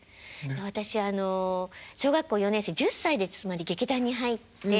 私あの小学校４年生１０歳でつまり劇団に入って。